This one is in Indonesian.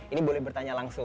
ini boleh bertanya langsung